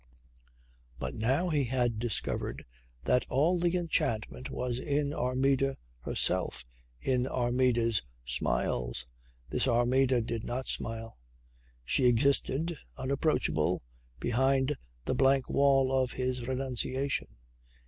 But now he had discovered that all the enchantment was in Armida herself, in Armida's smiles. This Armida did not smile. She existed, unapproachable, behind the blank wall of his renunciation.